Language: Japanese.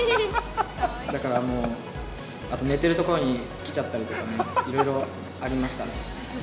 だからもう、あとは寝てる所に来ちゃったりとか、いろいろありましたね。